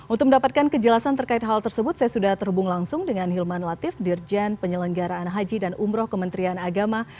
untuk mendapatkan kejelasan terkait hal tersebut saya sudah terhubung langsung dengan hilman latif dirjen penyelenggaraan haji dan umroh kementerian agama